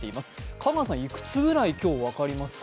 香川さん、いくつぐらい今日は分かりますか？